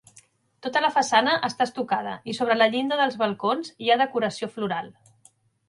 Tota la façana està estucada i sobre la llinda dels balcons hi ha decoració floral.